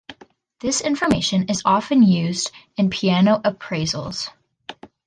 This information is often used in piano appraisals.